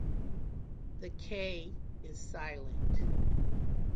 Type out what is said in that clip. The 'K' is silent.